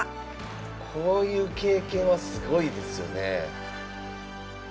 こういう経験はすごいですよね。